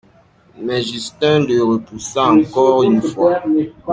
Mais Justin le repoussa encore une fois.